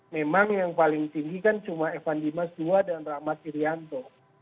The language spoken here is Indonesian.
memang yang paling tinggi kan cuma evan dimas ii dan rahmat irianto